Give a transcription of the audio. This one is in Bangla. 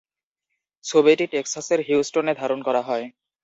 ছবিটি টেক্সাসের হিউস্টনে ধারণ করা হয়।